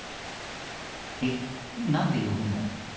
えなんでよぶの？